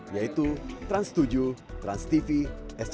yaitu trans tujuh transtv dan kpi pusat